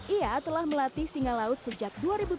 ia telah melatih singa laut sejak dua ribu tujuh